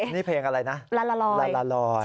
นี่เพลงอะไรนะลาลาลอย